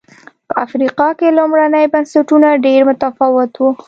په افریقا کې لومړني بنسټونه ډېر متفاوت و.